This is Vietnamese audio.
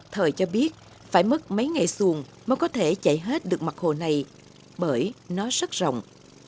thời cho biết phải mất mấy ngày xuồng mới có thể chạy hết được mặt hồ này bởi nó rất rộng